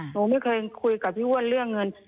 หนูไม่เคยคุยกับพี่อ้วนเรื่องเงิน